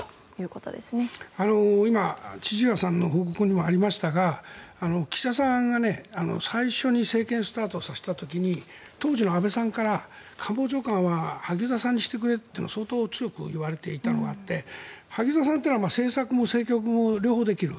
今、千々岩さんの報告にもありましたが岸田さんが最初に政権をスタートさせた時に当時の安倍さんから官房長官は萩生田さんにしてくれって相当、強く言われていたのがあって萩生田さんというのは政策も政局も両方できる。